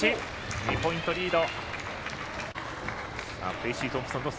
２ポイントリード。